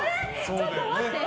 ちょっと待って。